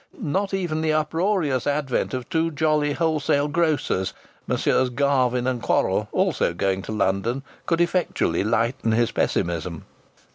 Not even the uproarious advent of two jolly wholesale grocers, Messieurs Garvin & Quorrall, also going to London, could effectually lighten his pessimism.